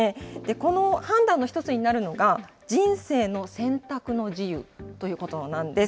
この判断の一つになるのが、人生の選択の自由ということなんです。